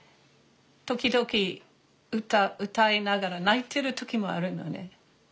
時々歌歌いながら泣いてる時もあるのね。